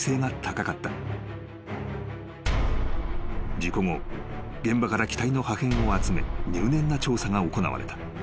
［事故後現場から機体の破片を集め入念な調査が行われた］